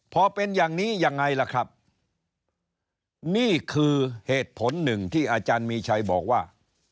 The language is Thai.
พอเป็นอย่างนี้ยังไงล่ะครับนี่คือเหตุผลหนึ่งที่อาจารย์มีชัยบอกว่า